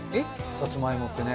さつまいもってね。